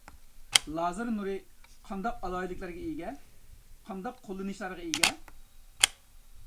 لازېر نۇرى قانداق ئالاھىدىلىكلەرگە ئىگە؟ قانداق قوللىنىشلارغا ئىگە؟